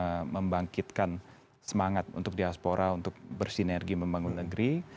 untuk membangkitkan semangat untuk diaspora untuk bersinergi membangun negeri